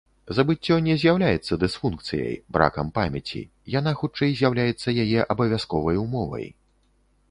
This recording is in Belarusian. Забыццё не з'яўляецца дысфункцыяй, бракам памяці, яна хутчэй з'яўляецца яе абавязковай умовай.